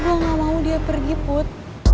gue gak mau dia pergi put